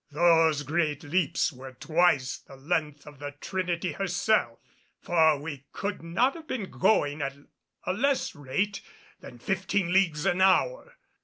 Those great leaps were twice the length of the Trinity herself, for we could not have been going at a less rate than fifteen leagues an hour.